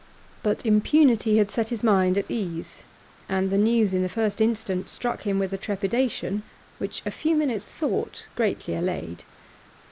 But impunity had set his mind at ease, and the news in the first instant struck him with a trepidation which a few minutes' thought greatly allayed.